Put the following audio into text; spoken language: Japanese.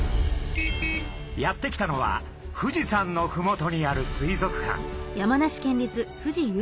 やって来たのは富士山のふもとにある水族館。